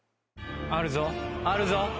あるぞあるぞ！